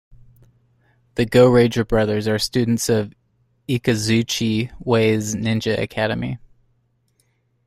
The Gouraiger brothers are students of Ikazuchi Way's Ninja Academy.